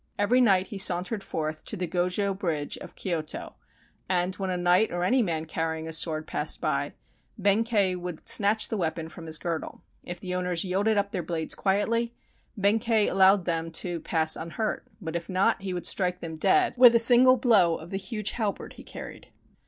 Every night he sauntered forth to the Go jo Bridge of Kyoto, and when a knight or any man carrying a sword passed by, Benkei would snatch the weapon from his girdle. If the owners yielded up their blades quietly, Benkei allowed them to pass un hurt, but if not, he would strike them dead with a single blow of the huge halberd he carried.